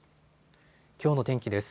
きょうの天気です。